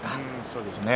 そうですね。